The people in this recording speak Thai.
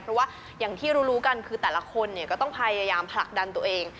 เพราะว่าอย่างที่รู้กันคือแต่ละคนก็ต้องพยายามผลักดันตัวเอง